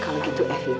kalau gitu evita